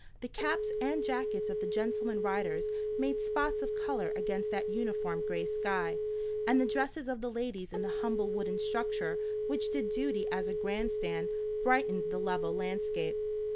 The caps and jackets of the gentleman riders made spots of colour against that uniform grey sky; and the dresses of the ladies in the humble wooden structure which did duty as a grand stand, brightened the level landscape.